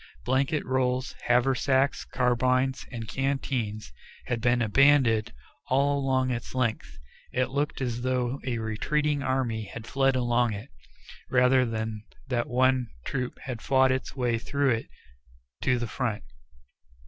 Blanket rolls, haversacks, carbines, and canteens had been abandoned all along its length. It looked as though a retreating army had fled along it, rather than that one troop had fought its way through it to the front.